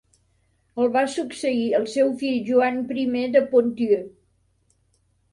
El va succeir el seu fill Joan I de Ponthieu.